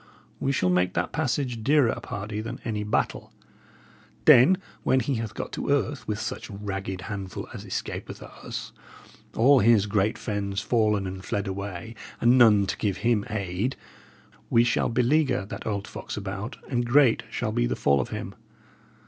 We shall make that passage dearer, pardy, than any battle. Then, when he hath got to earth with such ragged handful as escapeth us all his great friends fallen and fled away, and none to give him aid we shall beleaguer that old fox about, and great shall be the fall of him.